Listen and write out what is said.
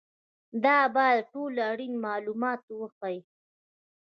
دا باید ټول اړین معلومات وښيي.